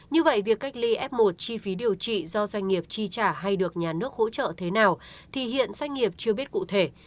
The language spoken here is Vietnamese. như vậy việc cách ly f một chi phí điều trị do doanh nghiệp chi trả hay được nhà nước hỗ trợ thế nào thì hiện doanh nghiệp chưa biết cụ thể